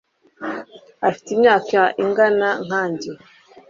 afite imyaka ingana nkanjye